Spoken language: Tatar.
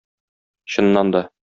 Чыннан да...